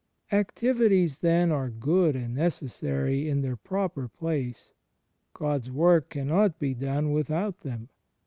Activities, then, are good and necessary in their proper place. God's work cannot be done without them.